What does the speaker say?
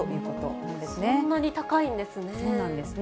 そんなに高いんですね。